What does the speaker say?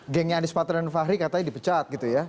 gengnya anies mata dan fahri katanya dipecat gitu ya